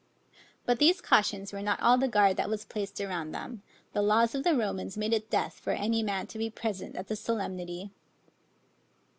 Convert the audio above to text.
But these cautions were not all the guard that was placed around them; The laws of the Romans made it death for any man to be present at the solemnity.